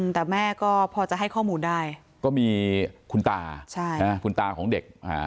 แต่แม่ก็พอจะให้ข้อมูลได้ก็มีคุณตาคุณตาของเด็ก